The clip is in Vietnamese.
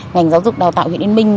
ngành giáo dục đào tạo huyện yên minh